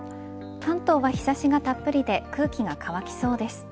関東は日差しがたっぷりで空気が乾きそうです。